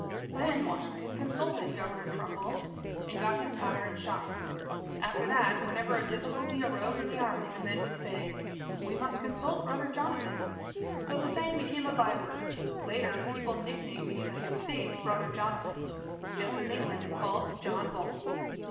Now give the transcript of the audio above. Then Washington consulted Governor Trumbull, and got his powder and shot. After that, whenever a difficulty arose in the Army, the men would say, "We must consult Brother Jonathan." So the saying became a byword. Later, people nicknamed the United States, "Brother Jonathan," just as England is called "John Bull."